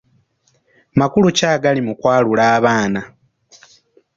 Makulu ki agali mu kwalula abaana?